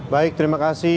baik terima kasih